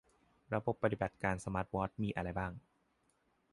ระบบปฏิบัติการสมาร์ทวอชมีอะไรบ้าง